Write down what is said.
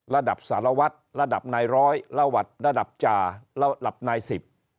ระดับสารวัตรระดับนายร้อยระวัดระดับจาระดับนายสิบ